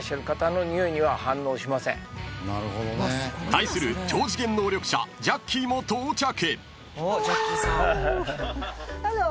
［対する超次元能力者ジャッキーも到着］